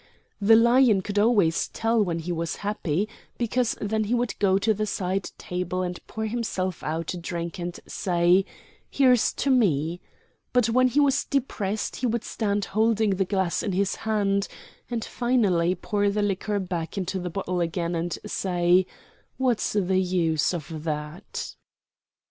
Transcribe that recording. The Lion could always tell when he was happy because then he would go to the side table and pour himself out a drink and say, "Here's to me," but when he was depressed he would stand holding the glass in his hand, and finally pour the liquor back into the bottle again and say, "What's the use of that?"